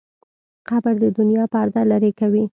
قبر د دنیا پرده لرې کوي.